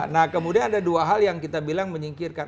nah kemudian ada dua hal yang kita bilang menyingkirkan